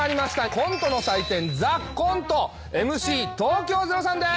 コントの祭典『ＴＨＥＣＯＮＴＥ』ＭＣ東京０３です。